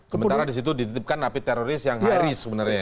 sementara di situ dititipkan nafis teroris yang hairis sebenarnya ya